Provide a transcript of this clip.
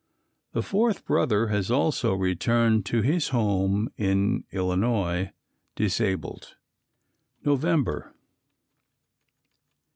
The fourth brother has also returned to his home in Illinois, disabled. _November.